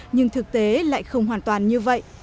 nhưng thực tế lại không hoàn toàn như vậy